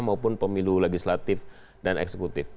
maupun pemilu legislatif dan eksekutif